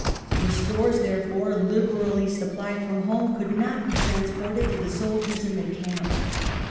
The stores, therefore, liberally supplied from home could not be trans ported to the soldiers in the camp.